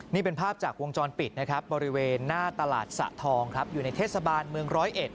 นี่เป็นภาพจากวงจรปิดนะครับบริเวณหน้าตลาดสะทองครับอยู่ในเทศบาลเมืองร้อยเอ็ด